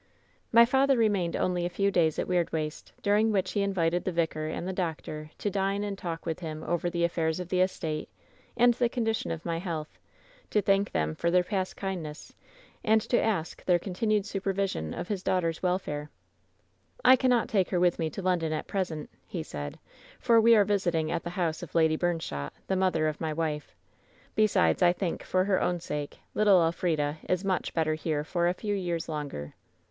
"My father remained only a few days at Weirdwaste, during which he invited the vicar and the doctor to dine and talk with him over the affairs of the estate, and the ».' ^J./ WHEN SHADOWS DIE 149 condition of my health, to thank them for their past kindness, and to ask their continued supervision of his dau^s^hter's welfare. " *I cannot take her with me to London at present,' he said, *for we are visiting at the house of Lady Bum shot, the mother of my wife. Besides, I think, for her own sake, little Elfrida is much better here for a few years longer.'